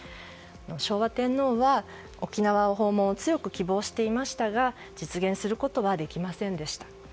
昭和天皇は、沖縄訪問を強く希望していましたが実現することはできませんでした。